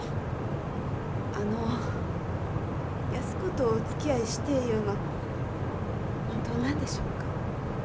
あの安子とおつきあいしてえいうんは本当なんでしょうか？